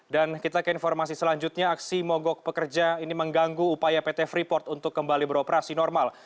dan kita ke informasi selanjutnya aksi mogok pekerja ini mengganggu upaya pt freeport untuk kembali beroperasi normal